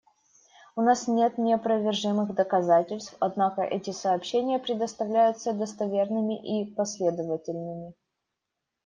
У нас нет неопровержимых доказательств, однако эти сообщения представляются достоверными и последовательными.